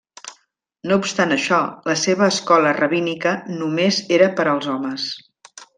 No obstant això, la seva escola rabínica només era per als homes.